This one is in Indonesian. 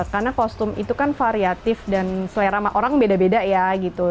karena kostum itu kan variatif dan selera orang beda beda ya gitu